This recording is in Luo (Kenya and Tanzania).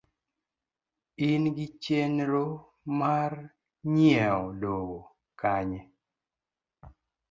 in gi chenro mar nyieo lowo Kanye?